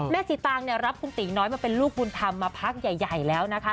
สีตางเนี่ยรับคุณตีน้อยมาเป็นลูกบุญธรรมมาพักใหญ่แล้วนะคะ